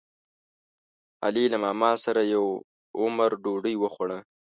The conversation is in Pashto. علي له ماماسره یو عمر ډوډۍ وخوړه.